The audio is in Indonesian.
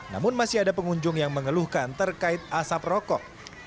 namun masih ada pengunjung yang mengeluhkan terkait asap rokok